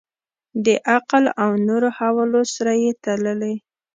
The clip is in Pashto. د عقل او نورو حوالو سره یې تللي.